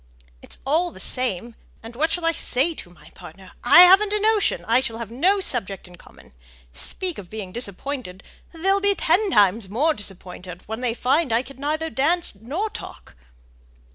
"It's all the same. And what shall I say to my partner? I haven't a notion: I shall have no subject in common. Speak of being disappointed, they'll be ten times more disappointed when they find I can neither dance nor talk!"